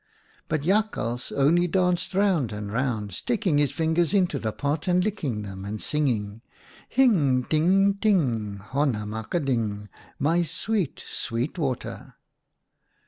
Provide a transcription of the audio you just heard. " But Jakhals only danced round and round, sticking his fingers into the pot and licking them, and singing : 1 Hing ting ting ! Honna mak a ding ! My sweet, sweet water